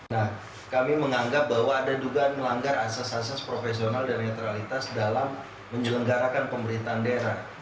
nah kami menganggap bahwa ada dugaan melanggar asas asas profesional dan netralitas dalam menyelenggarakan pemerintahan daerah